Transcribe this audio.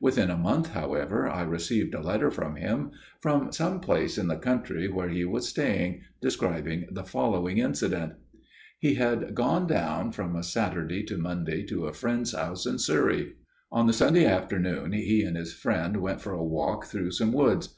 Within a month, however, I received a letter from him, from some place in the country where he was staying, describing the following incident. "He had gone down from a Saturday to Monday to a friend's house in Surrey. On the Sunday afternoon he and his friend went for a walk through some woods.